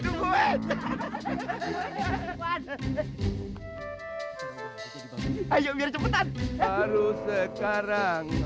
dihafari fo fires terjaga